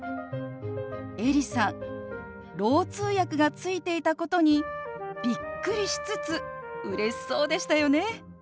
エリさんろう通訳がついていたことにびっくりしつつうれしそうでしたよね。